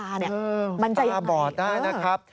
มันจะอย่างไรตาบอดได้นะครับ